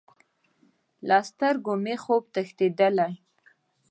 له سترګو مې خوب تښتیدلی